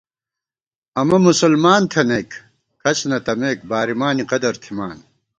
امہ مسلمان تھنَئیک، کھڅ نَتَمېک، بارِمانی قدَرتھِمان